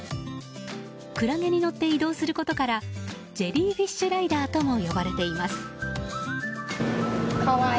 クラゲに乗って移動することからジェリーフィッシュライダーとも呼ばれています。